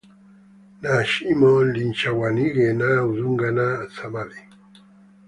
na shimo lichanganywe na udongo na samadi